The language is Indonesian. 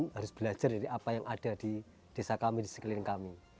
harus belajar dari apa yang ada di desa kami di sekeliling kami